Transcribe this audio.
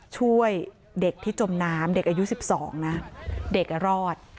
ช่วยเด็กที่จมน้ำเด็กอายุ๑๒นะเด็กรอด